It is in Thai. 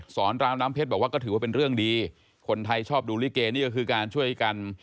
ราวน้ำเพชรบอกว่าก็ถือว่าเป็นเรื่องดีคนไทยชอบดูลิเกนี่ก็คือการช่วยกัน